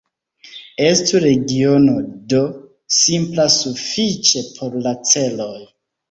Estu regiono "D" simpla sufiĉe por la celoj.